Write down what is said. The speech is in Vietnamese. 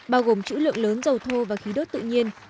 bao gồm chữ lượng lớn dầu thô và khí đốt tự nhiên